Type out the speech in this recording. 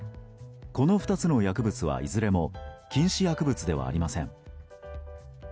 この２つの薬物は、いずれも禁止薬物ではありません。